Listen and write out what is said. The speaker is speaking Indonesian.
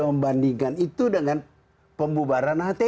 membandingkan itu dengan pembubaran hti